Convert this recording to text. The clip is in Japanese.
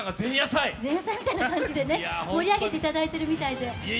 前夜祭みたいな感じで盛り上げていただいてるみたいで。